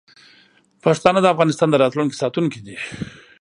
پښتانه د افغانستان د راتلونکي ساتونکي دي.